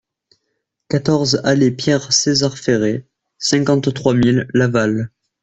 quatorze allée Pierre César Ferret, cinquante-trois mille Laval